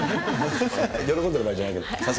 喜んでる場合じゃないけど。